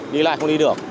đi lại không đi được